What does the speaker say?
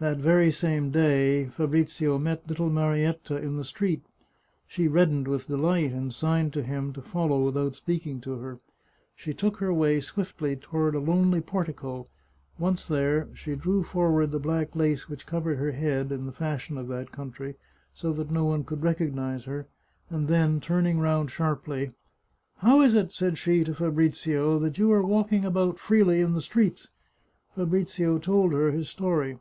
That very some day, Fabrizio met little Marietta in the street. She reddened with delight, and signed to him to follow without speaking to her. She took her way swiftly toward a lonely portico ; once there, she drew forward the black lace which covered her head, in the fashion of that country, so that no one could recognise her, and then, turning round sharply —" How is it," said she to Fabrizio, " that you are walk ing about freely in the streets ?" Fabrizio told her his story.